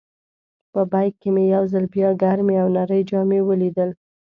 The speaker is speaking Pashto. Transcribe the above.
په بیک کې مې یو ځل بیا ګرمې او نرۍ جامې ولیدل.